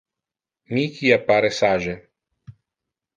Miki appare sage.